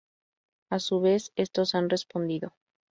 A su vez estos han respondido.